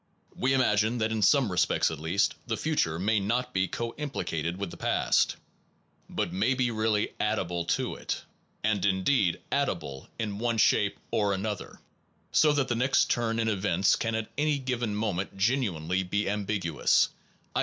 We imagine that in some respects at least the future may not be co implicated with the past, but may be really addable to it, and indeed 139 SOME PROBLEMS OF PHILOSOPHY addable in one shape or another, so that the next turn in events can at any given moment genuinely be ambiguous, i.